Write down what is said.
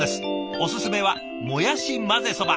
おすすめはもやし混ぜそば。